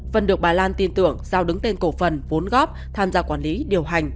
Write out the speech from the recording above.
phân được bà lan tin tưởng giao đứng tên cổ phần vốn góp tham gia quản lý điều hành